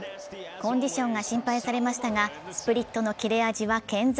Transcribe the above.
コンディションが心配されましたが、スプリットの切れ味は健在。